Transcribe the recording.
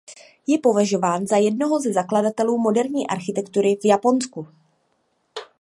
Je považován za jednoho ze zakladatelů moderní architektury v Japonsku.